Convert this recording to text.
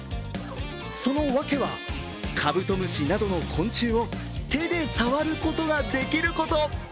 そのわけは、カブトムシなどの昆虫を手で触ることができること。